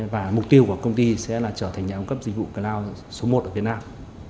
và mục tiêu của công ty sẽ là trở thành nhà ống cấp dịch vụ cloud số một ở việt nam